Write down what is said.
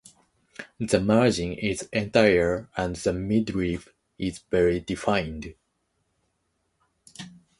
The margin is entire and the midrib is very defined.